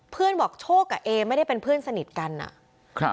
เพื่อนบอกโชภกับเอไม่ได้เป็นเพื่อนสนิทกันอ่ะ